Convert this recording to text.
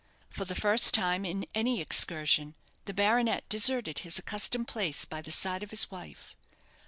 For the first time in any excursion, the baronet deserted his accustomed place by the side of his wife.